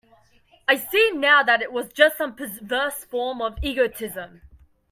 I see now that it was just some perverse form of egotism.